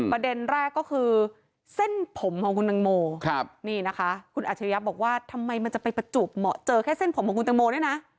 ประเด็นแรกก็คือเส้นผมของคุณตังโมนี่นะคะคุณอัจฉริยะบอกว่าทำไมมันจะไปประจวบเหมาะเจอแค่เส้นผมของคุณตังโมด้วยนะ